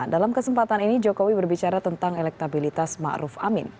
dalam kesempatan ini jokowi berbicara tentang elektabilitas ma'ruf amin